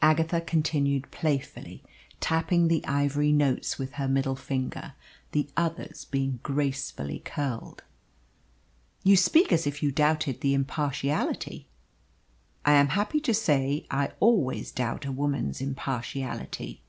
Agatha continued playfully, tapping the ivory notes with her middle finger the others being gracefully curled. "You speak as if you doubted the impartiality." "I am happy to say I always doubt a woman's impartiality."